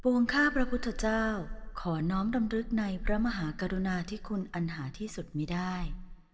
วงข้าพระพุทธเจ้าขอน้อมดำรึกในพระมหากรุณาที่คุณอันหาที่สุดมีได้